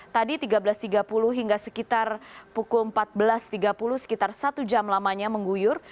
tadi tiga belas tiga puluh hingga sekitar pukul empat belas tiga puluh sekitar satu jam lamanya mengguyur